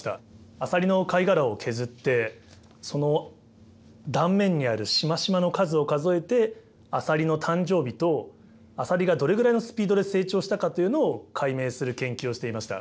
アサリの貝殻を削ってその断面にあるしましまの数を数えてアサリの誕生日とアサリがどれぐらいのスピードで成長したかというのを解明する研究をしていました。